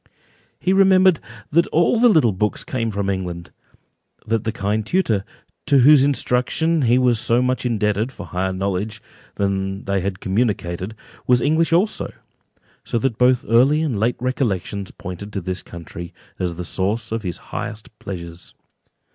He remembered that all the little books came from England—that the kind tutor, to whose instruction he was so much indebted for higher knowledge than they had communicated, was English also; so that both early and late recollections pointed to this country, as the source of his highest pleasures.